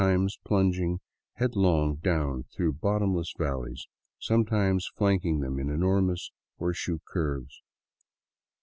es plunging headlong down through bottomless valleys, some times flanking them in enormous horseshoe curves.